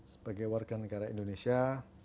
sebagai warga negara indonesia